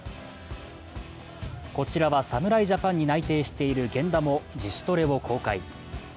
こちらは侍ジャパンに内定している源田も自主トレを公開。